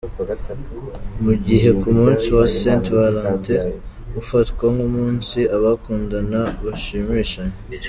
Mu gihe ku munsi wa Saint Valentin, ufatwa nk’umunsi abakundana bashimishanya.